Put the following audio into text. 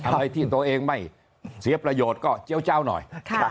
อะไรที่ตัวเองไม่เสียประโยชน์ก็เจี้ยวเจ้าหน่อย